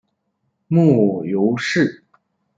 母庞氏。